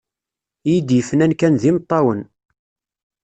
I yi-d-yefnan kan d imeṭṭawen.